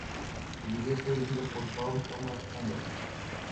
El video fue dirigido por Paul Thomas Anderson.